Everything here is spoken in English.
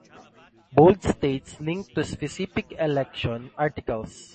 Bold states link to specific election articles.